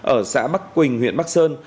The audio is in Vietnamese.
ở xã bắc quỳnh huyện bắc sơn